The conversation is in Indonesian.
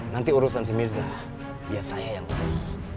nanti urusan si mirza biar saya yang urus